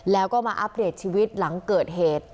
แล้วก็มาอัปเดตชีวิตหลังเกิดเหตุ